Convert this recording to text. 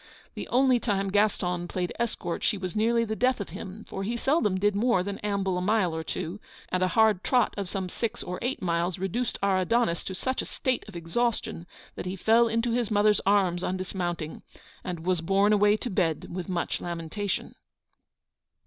The only time Gaston played escort she was nearly the death of him, for he seldom did more than amble a mile or two, and a hard trot of some six or eight miles reduced our Adonis to such a state of exhaustion that he fell into his mother's arms on dismounting, and was borne away to bed with much lamentation.